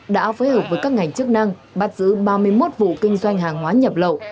đã phối hợp với các ngành chức năng bắt giữ ba mươi một vụ kinh doanh hàng hóa nhập lậu